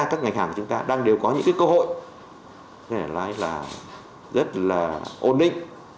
các ngành hàng của chúng ta đang đều có những cơ hội để nói là rất là ôn định